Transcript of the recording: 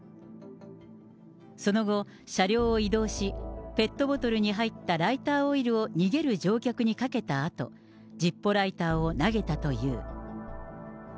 その後、車両を移動し、ペットボトルに入ったライターオイルを逃げる乗客にかけたあと、ジッポライターを投げたという。